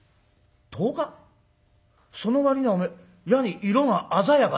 その割にはお前いやに色が鮮やかだな」。